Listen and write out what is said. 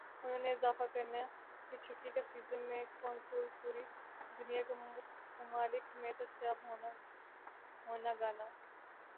انہوں نے اضافہ کرنا کہ چھٹی کا سیزن میں کنسول پوری دنیا کا ممالک میں دستیاب ہونا گانا